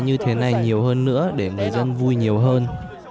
như thế này nhiều hơn nữa để người dân vui nhiều hơn